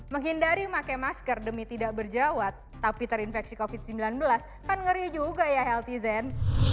menghindari pakai masker demi tidak berjawat tapi terinfeksi covid sembilan belas kan ngeri juga ya healthy zen